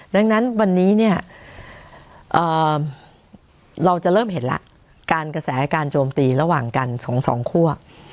ดังนั้นวันนี้เนี่ยเราจะเริ่มเห็นแล้วการกระแสการโจมตีระหว่างกันสองสองคั่ว